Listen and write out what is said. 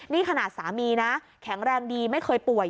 นี่ขนาดสามีนะแข็งแรงดีไม่เคยป่วย